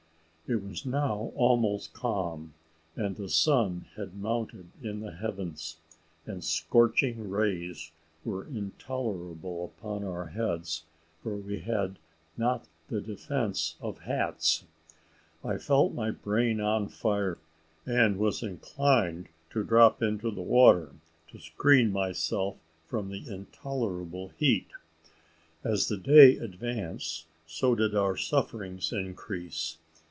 It was now almost calm, and the sun had mounted in the heavens: the scorching rays were intolerable upon our heads, for we had not the defence of hats. I felt my brain on fire, and was inclined to drop into the water, to screen myself from the intolerable heat. As the day advanced, so did our sufferings increase.